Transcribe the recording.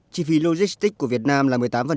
chi phí logistics của việt nam là một mươi tám